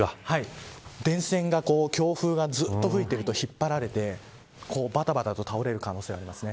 電線が、強風がずっと吹いていると引っ張られてばたばたと倒れる可能性がありますね。